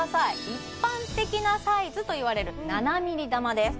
一般的なサイズといわれる７ｍｍ珠です